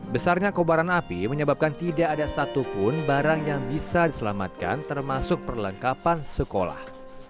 besarnya kobaran api menyebabkan tidak ada satupun barang yang bisa diselamatkan termasuk perlengkapan sekolah